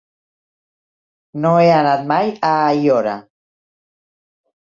No he anat mai a Aiora.